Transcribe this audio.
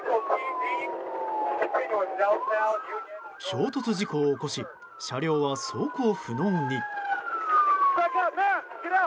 衝突事故を起こし車両は走行不能に。